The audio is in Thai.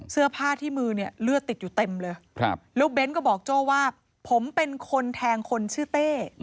เสื้อผ้าที่มือเนี่ยเลือดติดอยู่เต็มเลยแล้วเบ้นก็บอกโจ้ว่าผมเป็นคนแทงคนชื่อเต้